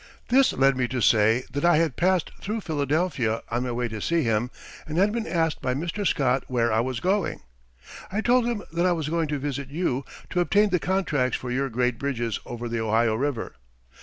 This led me to say that I had passed through Philadelphia on my way to see him and had been asked by Mr. Scott where I was going. "I told him that I was going to visit you to obtain the contracts for your great bridges over the Ohio River.